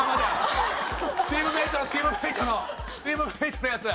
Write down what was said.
チームメートはチームメートのチームメートのやつ。